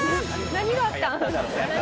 何があったん？